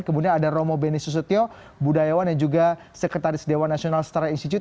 kemudian ada romo benisusutio budayawan dan juga sekretaris dewan nasional setara institut